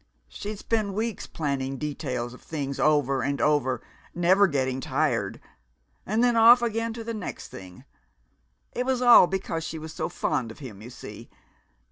She'd spend weeks planning details of things over and over, never getting tired. And then off again to the next thing! It was all because she was so fond of him, you see.